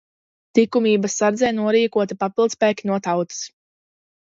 Tikumības sardzē norīkoti papildspēki no tautas.